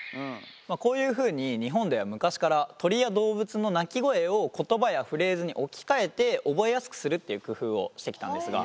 こういうふうに日本では昔から鳥や動物の鳴き声を言葉やフレーズに置き換えて覚えやすくするっていう工夫をしてきたんですが。